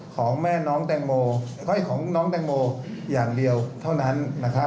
ของแม่น้องแดงโมอคล้อยของน้องแดงโมออย่างเดียวเท่านั้นนะครับ